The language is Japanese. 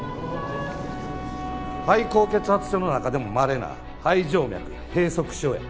肺高血圧症の中でもまれな肺静脈閉塞症や。